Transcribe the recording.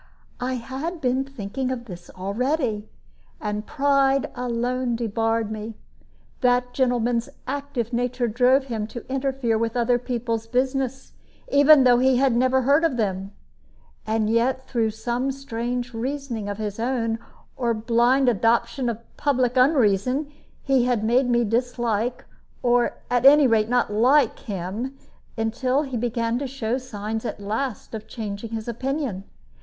I had been thinking of this already, and pride alone debarred me. That gentleman's active nature drove him to interfere with other people's business, even though he had never heard of them; and yet through some strange reasoning of his own, or blind adoption of public unreason, he had made me dislike, or at any rate not like, him, until he began to show signs at last of changing his opinion.